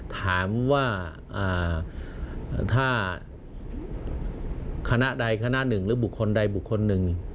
ถามว่าถ้าคณะใดคณะหนึ่งหรือบุคคลใดบุคคลหนึ่ง